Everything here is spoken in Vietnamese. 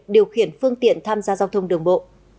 điều khiển phương tiện tham gia giao thông đường bộ